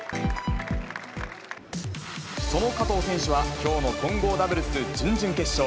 その加藤選手は、きょうの混合ダブルス準々決勝。